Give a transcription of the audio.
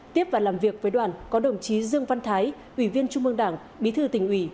tiếp và làm việc với đoàn có đồng chí dương văn thái ủy viên trung mương đảng bí thư tỉnh ủy